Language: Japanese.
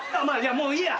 もういいや。